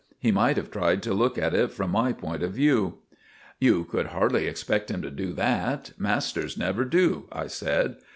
He might have tried to look at it from my point of view." "You could hardly expect him to do that: masters never do," I said.